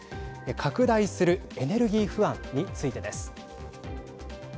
拡大するエネルギー不安についてです。